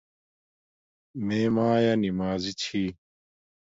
میے مایآ نمازی چھی